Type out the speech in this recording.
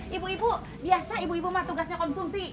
tapi bu biasa ibu ibu mah tugasnya konsumsi ya